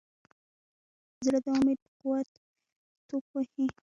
زړه د امید په قوت ټوپ وهي.